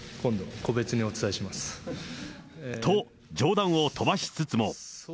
と、冗談を飛ばしつつも。